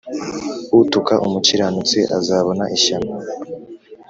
utuka umukiranutsi azabona ishyano